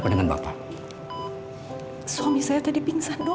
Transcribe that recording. kayaknya sebaiknya kita pulang deh